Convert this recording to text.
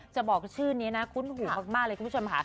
จะบอกชื่อนี้นะคุ้นหูมากเลยคุณผู้ชมค่ะ